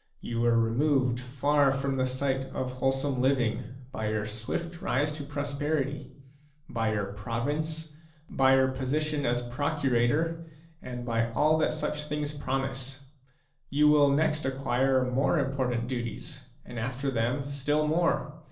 You were removed far from the sight of wholesome living by your swift rise to prosperity, by your province, by your position as procurator/ and by all that such things promise ; you will next acquire more important duties and after them still more.